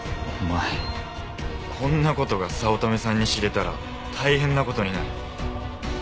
こんな事が早乙女さんに知れたら大変な事になる。